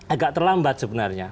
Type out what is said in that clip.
agak terlambat sebenarnya